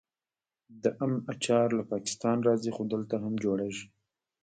د ام اچار له پاکستان راځي خو دلته هم جوړیږي.